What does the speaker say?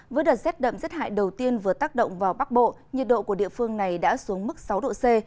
với đợt rét đậm rét hại đầu tiên vừa tác động vào bắc bộ nhiệt độ của địa phương này đã xuống mức sáu độ c